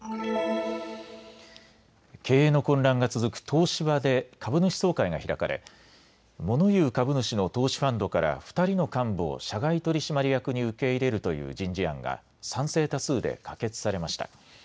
経営の混乱が続く東芝で株主総会が開かれモノ言う株主の投資ファンドから２人の幹部を社外取締役に受け入れるという人事案が賛成多数で可決されました。